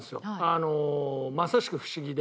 あのまさしくフシギで。